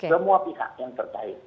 semua pihak yang terkait